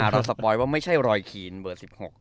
สปอยว่าไม่ใช่รอยคีนเบอร์๑๖